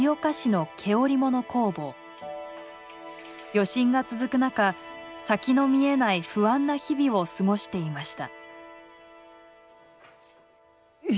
余震が続く中先の見えない不安な日々を過ごしていました。